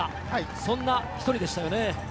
そんな一人でしたよね。